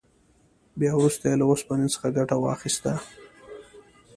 بیا وروسته یې له اوسپنې څخه ګټه واخیسته.